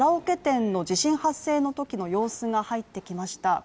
カラオケ店の地震発生のときの様子が入ってきました。